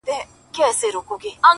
خو قانون د سلطنت دی نه بدلیږي!.